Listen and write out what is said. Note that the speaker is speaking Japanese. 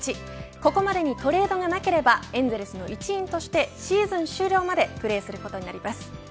ここまでにトレードがなければエンゼルスの一員としてシーズン終了までプレーすることになります。